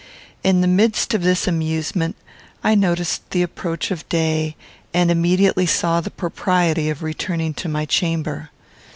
In the midst of this amusement, I noticed the approach of day, and immediately saw the propriety of returning to my chamber.